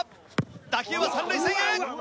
打球は三塁線へ！